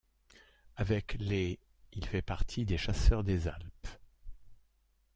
Avec les ', il fait partie des chasseurs des Alpes.